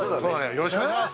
よろしくお願いします！